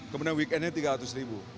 kemudian weekendnya tiga ratus ribu